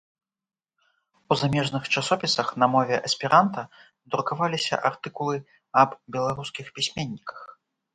У замежных часопісах на мове эсперанта друкаваліся артыкулы аб беларускіх пісьменніках